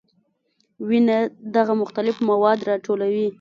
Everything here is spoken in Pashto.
وینه دغه مختلف مواد راټولوي.